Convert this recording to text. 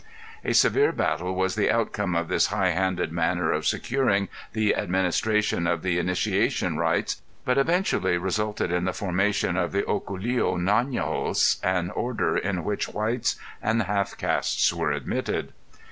A severe battle was the outcome of this high handed manner of securing the administration of the initiation rites, but eventually resulted in the formation of the Ocolio ├æ├Ī├▒igos, an order in which whites and half castes were admitted.